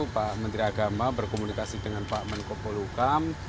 pak menteri agama berkomunikasi dengan pak menkopol hukam